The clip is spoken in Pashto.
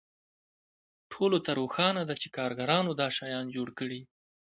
ټولو ته روښانه ده چې کارګرانو دا شیان جوړ کړي